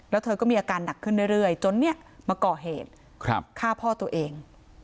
แล้วเธอก็มีอาการหนักขึ้นเรื่อยจนมาก่อเหตุฆ่าพ่อตัวเอง